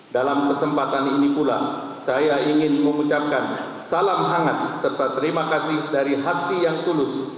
dalam kesempatan ini pula saya ingin mengucapkan salam hangat serta terima kasih dari hati yang tulus